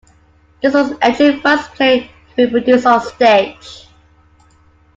This was Enchi's first play to be produced on stage.